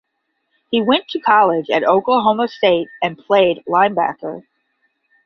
He went to college at Oklahoma State and played linebacker.